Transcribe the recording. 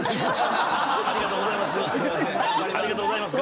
ありがとうございます。